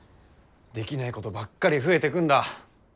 できないことばっかり増えてくんだ。